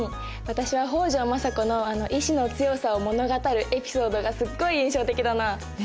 私は北条政子のあの意志の強さを物語るエピソードがすっごい印象的だな。ね。